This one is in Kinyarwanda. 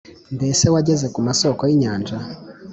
“mbese wageze ku masōko y’inyanja,